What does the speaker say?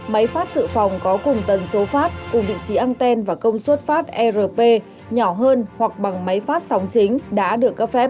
máy phát dự phòng có cùng tần số phát cùng vị trí anten và công suất phát nhỏ hơn hoặc bằng máy phát sóng chính đã được cấp phép